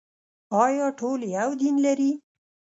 آیا ټول یو دین لري؟